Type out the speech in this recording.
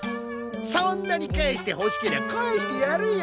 そんなに返してほしけりゃ返してやるよ。